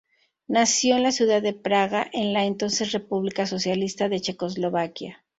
Nació en la ciudad de Praga, en la entonces República Socialista de Checoslovaquia.